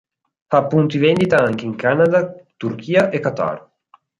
Ha punti vendita anche in Canada, Turchia e Qatar.